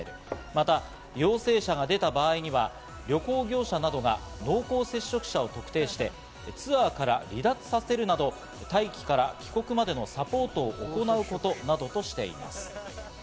また陽性者が出た場合には、旅行業者などが濃厚接触者を特定して、ツアーから離脱させるなど待機から帰国までのサポートを行うことなどとしています。